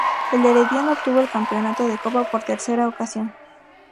El Herediano obtuvo el campeonato de copa por tercera ocasión.